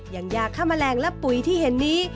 อย่างยาฆ่าแมลงและปุ๋ยที่เห็นนี้